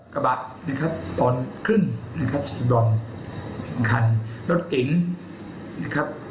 กระบะนะครับตอนขึ้นนะครับดอมคันรถเก๋งนะครับ